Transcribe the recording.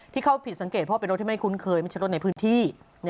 ที่เขาผิดสังเกตเพราะเป็นรถที่ไม่คุ้นเคยไม่ใช่รถในพื้นที่